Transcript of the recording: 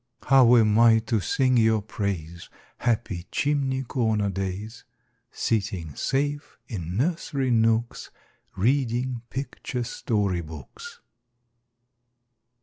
How am I to sing your praise, Happy chimney corner days, Sitting safe in nursery nooks, Reading picture story books?